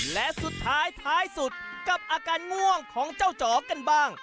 และสุดท้ายท้ายสุดกับอาการง่วงของเจ้าจ๋อกันบ้าง